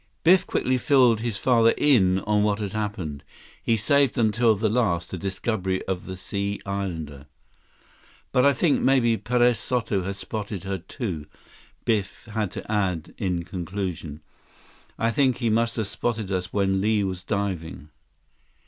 161 Biff quickly filled his father in on what had happened. He saved until the last the discovery of the Sea Islander. "But I think maybe Perez Soto has spotted her, too," Biff had to add in conclusion. "I think he must have spotted us when Li was diving."